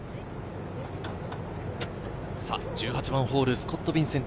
１８番ホール、スコット・ビンセント。